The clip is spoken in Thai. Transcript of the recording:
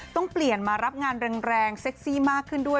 ต้องเปลี่ยนมารับงานแรงเซ็กซี่มากขึ้นด้วย